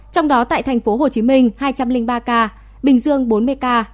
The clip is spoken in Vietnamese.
trong đó tại tp hcm hai trăm linh ba ca bình dương bốn mươi ca